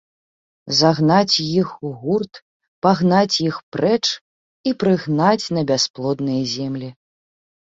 Загнаць іх у гурт пагнаць іх прэч і прыгнаць на бясплодныя землі.